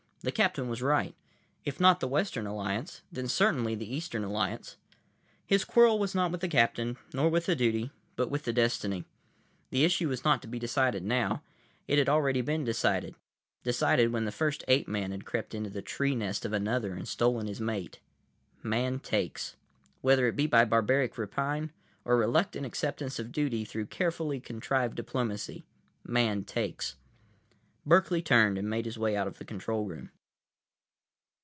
The captain was right. If not the Western Alliance, then certainly the Eastern Alliance. His quarrel was not with the captain nor with the duty, but with the destiny. The issue was not to be decided now. It had already been decided—decided when the first apeman had crept into the tree nest of another and stolen his mate. Man takes. Whether it be by barbaric rapine, or reluctant acceptance of duty through carefully contrived diplomacy, Man takes. Berkeley turned and made his way out of the control room.